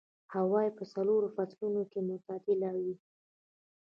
هوا يې په څلورو فصلونو کې معتدله وي.